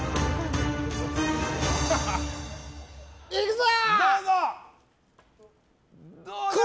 いくぞ！